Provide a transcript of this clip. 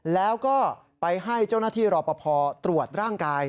แล้วก็ไปให้เจ้าหน้าที่รอปภตรวจร่างกาย